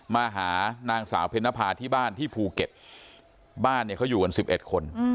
มาหานางสาวเพ็ญนภาที่บ้านที่ภูเก็ตบ้านเนี่ยเขาอยู่กัน๑๑คน